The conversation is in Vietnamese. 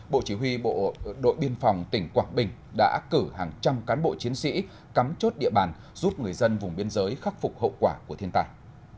bộ chỉ huy bộ đội biên phòng tỉnh quảng bình đã cử hàng trăm cán bộ chiến sĩ cắm chốt địa bàn giúp người dân vùng biên giới khắc phục hậu quả của thiên tài